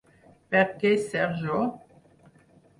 Per què ser jo?!